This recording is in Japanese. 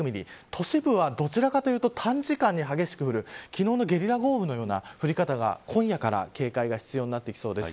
都市部は、どちらかというと短時間に激しく降る昨日のゲリラ豪雨のような降り方が今夜から警戒が必要になってきそうです。